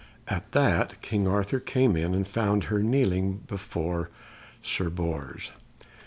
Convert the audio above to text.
At that King Arthur came in, and found her kneeling before Sir Bors.